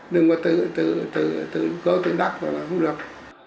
đừng có tự cơ tình đắc là không được